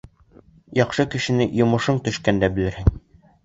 Яҡшы кешене йомошоң төшкәндә белерһең.